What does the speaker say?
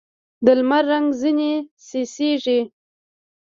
د لمر رنګ ځیني څڅېږي